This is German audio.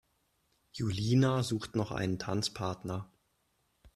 Julina sucht noch einen Tanzpartner.